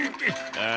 ああ。